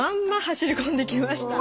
走り込んできました。